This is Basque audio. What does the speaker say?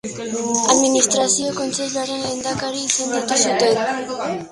Administrazio Kontseiluaren Lehendakari izendatu zuten.